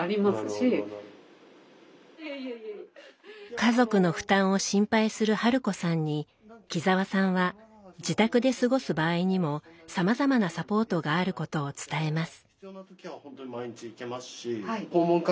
家族の負担を心配する春子さんに木澤さんは自宅で過ごす場合にもさまざまなサポートがあることを伝えます。